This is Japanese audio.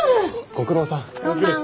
ご苦労さん。